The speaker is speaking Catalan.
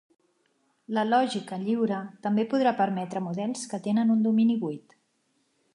La lògica lliure també podrà permetre models que tenen un domini buit.